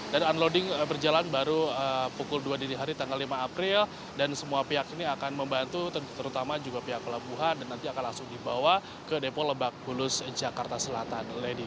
dan unloading berjalan baru pukul dua diri hari tanggal lima april dan semua pihak ini akan membantu terutama juga pihak pelabuhan dan nanti akan langsung dibawa ke depo lebak bulus jakarta selatan